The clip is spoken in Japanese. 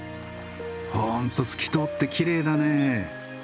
本当透き通ってきれいだね。